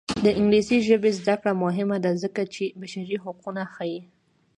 د انګلیسي ژبې زده کړه مهمه ده ځکه چې بشري حقونه ښيي.